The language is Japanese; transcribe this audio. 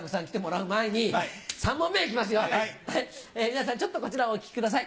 皆さんちょっとこちらをお聴きください。